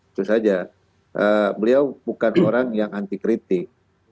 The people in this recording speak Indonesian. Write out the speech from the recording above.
itu saja beliau bukan orang yang anti kritik